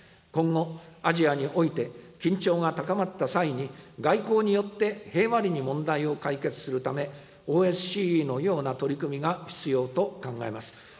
今後、アジアにおいて緊張が高まった際に、外交によって平和裏に問題を解決するため、ＯＳＣＥのような取り組みが必要と考えます。